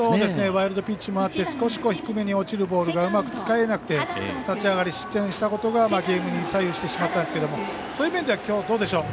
ワイルドピッチもあって低めに落ちるボールが使えなくて立ち上がり失点したことがゲームに左右してしまったんですがそういう面では今日、どうでしょう。